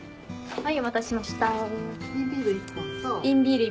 はい。